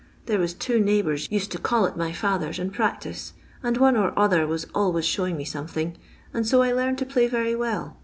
i There was two neighbours used to call at my father's and practise, and one or oth«r tru alwayi showing me something, and so I learned to play very well.